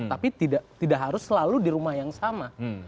tapi tidak harus selalu di rumah yang sama